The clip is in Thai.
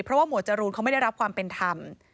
เพราะว่าหมวดจรูนเขาไม่ได้รับความเป็นธรรม